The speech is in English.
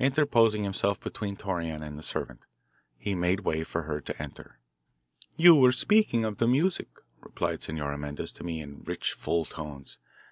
Interposing himself between Torreon and the servant, he made way for her to enter. "You were speaking of the music," replied Senora Mendez to me in rich, full tones.